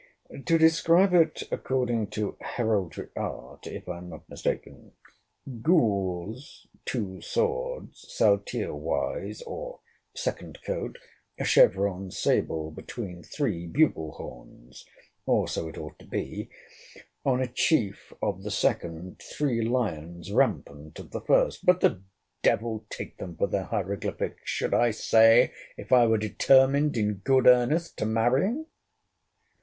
To describe it according to heraldry art, if I am not mistaken—gules, two swords, saltire wise, or; second coat, a chevron sable between three bugle horns, OR [so it ought to be]: on a chief of the second, three lions rampant of the first—but the devil take them for their hieroglyphics, should I say, if I were determined in good earnest to marry!